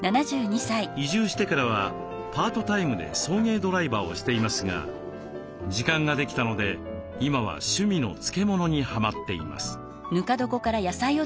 移住してからはパートタイムで送迎ドライバーをしていますが時間ができたので今は趣味の漬物にはまっています。